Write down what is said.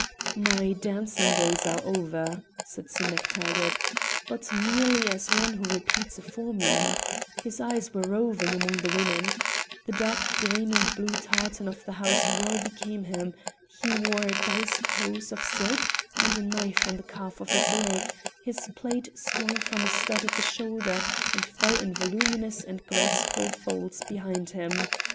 "My dancing days are over," said Sim MacTaggart, but merely as one who repeats a formula; his eyes were roving among the women. The dark green and blue tartan of the house well became him: he wore diced hose of silk and a knife on the calf of his leg; his plaid swung from a stud at the shoulder, and fell in voluminous and graceful folds behind him.